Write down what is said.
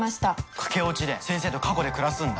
駆け落ちで先生と過去で暮らすんだ。